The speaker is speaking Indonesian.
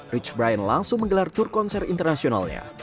rich brian langsung menggelar tur konser internasionalnya